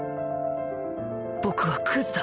僕はクズだ